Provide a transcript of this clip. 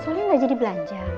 soleh gak jadi belanja